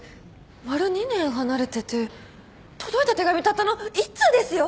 丸２年離れてて届いた手紙たったの１通ですよ？